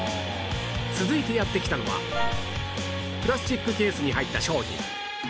続いてやって来たのはプラスチックケースに入った商品